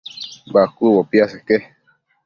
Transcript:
Bacuëbo piaseque